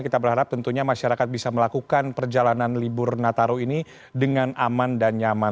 kita berharap tentunya masyarakat bisa melakukan perjalanan libur nataru ini dengan aman dan nyaman